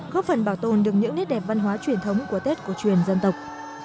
góp phần bảo tồn được những nét đẹp văn hóa truyền thống của tết cổ truyền dân tộc